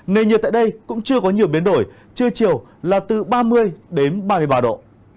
nền nhiệt tại đây cũng chưa có nhiều biến đổi trưa chiều là từ ba mươi đến ba mươi ba độ